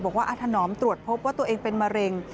อาถนอมตรวจพบว่าตัวเองเป็นมะเร็ง